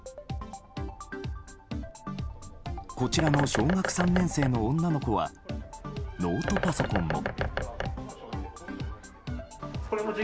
こちらの小学３年生の女の子はノートパソコンも。